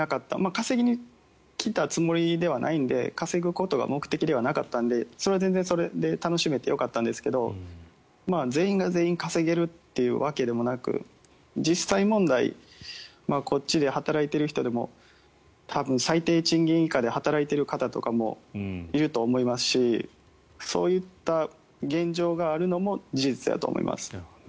稼ぎに来たつもりではないので稼ぐことが目的ではなかったのでそれは全然それで楽しめてよかったんですけど全員が全員稼げるというわけでもなく実際問題こっちで働いている人でも多分、最低賃金以下で働いている方とかもいると思いますしそういった現状があるのも事実だと思います。